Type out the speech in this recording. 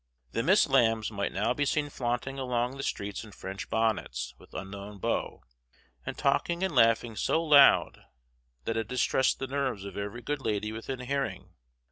The Miss Lambs might now be seen flaunting along the streets in French bonnets with unknown beaux, and talking and laughing so loud that it distressed the nerves of every good lady within hearing.